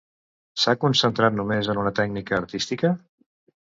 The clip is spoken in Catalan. S'ha concentrat només en una tècnica artística?